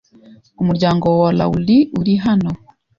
Umuryango wa Laurie uri hano.